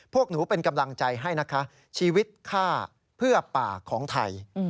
พวกหนูเป็นกำลังใจให้นะคะชีวิตฆ่าเพื่อป่าของไทย